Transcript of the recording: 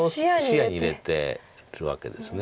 視野に入れてるわけです。